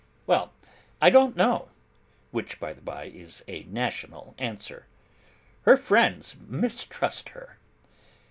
'Well, I don't know:' which, by the bye, is a national answer. 'Her friends mistrust her.